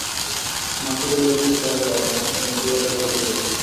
মাকে বলে, একটু খয়ের দাও মা, আমি দোয়াতের কালিতে দেবো।